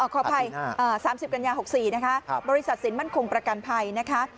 ขออภัย๓๐กันยา๖๔นะคะบริษัทสินมั่นคงประกันภัยนะคะ